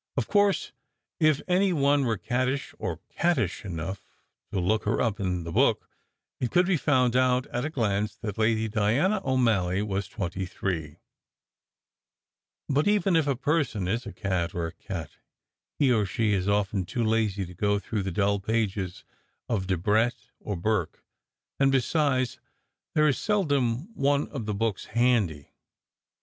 Of course, if any one were caddish or cattish enough to look her up in the book, it could be found out at a glance that Lady Diana O Malley was twenty three; but even if a person is a cad or a cat, he (or she) is often too lazy to go through the dull pages of Debrett or Burke; and besides, there is sel 18 SECRET HISTORY dom one of the books handy.